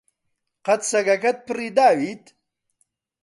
قەت سەگەکەت پڕی داویت؟